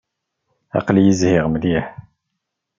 Aql-iyi zhiɣ mliḥ.